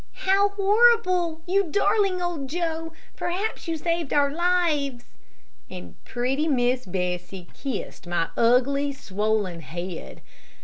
"How horrible! You darling old Joe, perhaps you saved our lives," and pretty Miss Bessie kissed my ugly, swollen head.